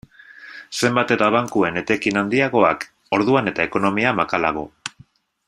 Zenbat eta bankuen etekin handiagoak, orduan eta ekonomia makalago.